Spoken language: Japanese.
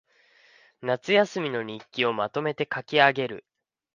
夏休みの日記をまとめて書きあげる